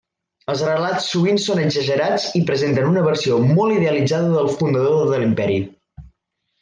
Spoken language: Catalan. Els relats sovint són exagerats i presenten una versió molt idealitzada del fundador de l'Imperi.